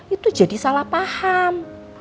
itu jadi salah paham